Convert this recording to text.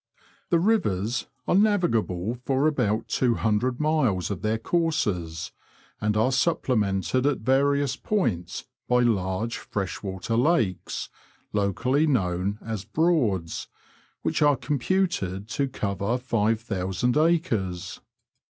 The rivers are navigable for about two hundred miles of their courses, and are supplemented at various points by large fresh water lakes, locally known as Broads," which are computed to cover five thousand acres.